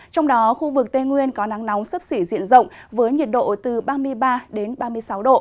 trong đó khu vực tây nguyên có nắng nóng sấp xỉ diện rộng với nhiệt độ từ ba mươi ba đến ba mươi sáu độ